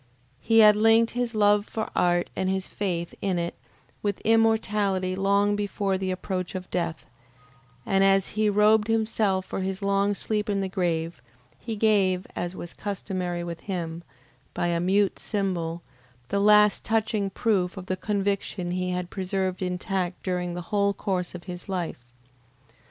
He had linked his love for art and his faith in it with immortality long before the approach of death, and as he robed himself for his long sleep in the grave, he gave, as was customary with him, by a mute symbol, the last touching proof of the conviction he had preserved intact during the whole course of his life.